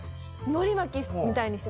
のり巻きみたいにして。